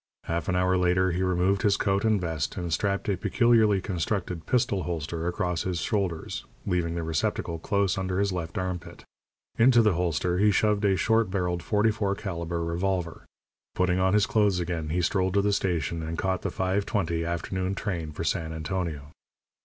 Half an hour later he removed his coat and vest, and strapped a peculiarly constructed pistol holster across his shoulders, leaving the receptacle close under his left armpit. Into the holster he shoved a short barrelled .44 calibre revolver. Putting on his clothes again, he strolled to the station and caught the five twenty afternoon train for San Antonio.